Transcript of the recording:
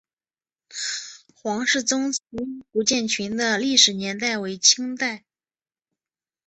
黄氏宗祠古建群的历史年代为清代。